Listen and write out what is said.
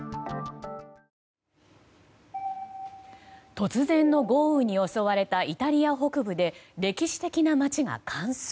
突然の豪雨に襲われたイタリア北部で歴史的な街が冠水。